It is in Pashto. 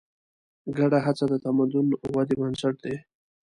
ګډه هڅه د تمدن ودې بنسټ دی.